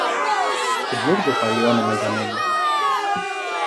Καινούριο πάλι όνομα για μένα!